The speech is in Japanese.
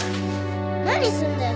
何すんだよ